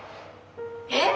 えっ！？